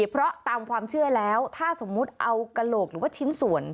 เพราะตามความเชื่อแล้วถ้าสมมุติเอากระโหลกหรือว่าชิ้นส่วน